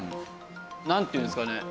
なんていうんですかね。